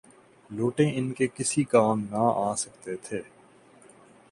لوٹے ان کے کسی کام نہ آ سکتے تھے۔